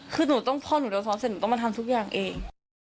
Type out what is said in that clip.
คือพ่อหนูเดี๋ยวซ้อมเสร็จหนูต้องมาทำทุกอย่างเอง